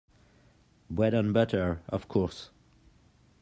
Bread-and-butter, of course.